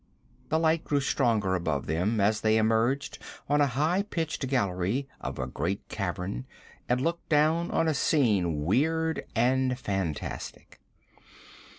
The light grew stronger above them as they emerged on a high pitched gallery of a great cavern and looked down on a scene weird and fantastic.